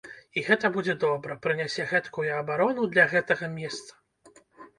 І гэта будзе добра, прынясе гэткую абарону для гэтага месца.